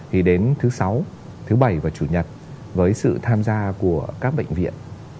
thì đến thứ sáu thứ bảy và chủ nhật với sự tham gia của các bệnh viện